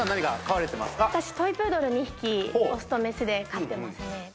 私トイ・プードル２匹オスとメスで飼ってますね